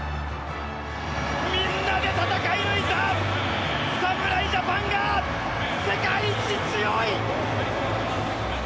みんなで戦い抜いた侍ジャパンが世界一強い！